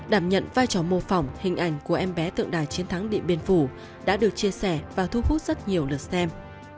đảm nhận vai trò mô phỏng hình ảnh của em bé tượng đài chiến thắng điện biên phủ đã được chia sẻ và thu hút rất nhiều lượt xem